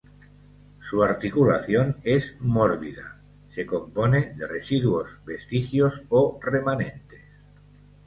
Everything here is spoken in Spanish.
Su articulación es mórbida, se compone de residuos, vestigios o remanentes.